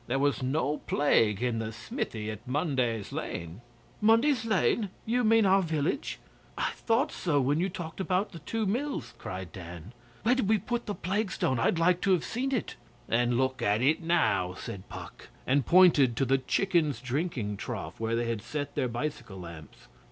There was no plague in the smithy at Munday's Lane ' 'Munday's Lane? You mean our village? I thought so when you talked about the two Mills,' cried Dan. 'Where did we put the plague stone? I'd like to have seen it.' 'Then look at it now,' said Puck, and pointed to the chickens' drinking trough where they had set their bicycle lamps.